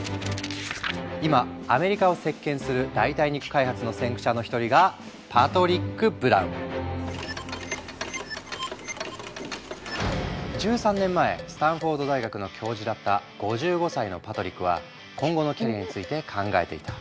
今アメリカを席巻する代替肉開発の先駆者の一人が１３年前スタンフォード大学の教授だった５５歳のパトリックは今後のキャリアについて考えていた。